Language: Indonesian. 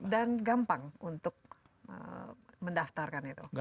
dan gampang untuk mendaftarkan itu